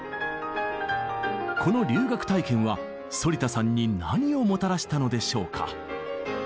この留学体験は反田さんに何をもたらしたのでしょうか？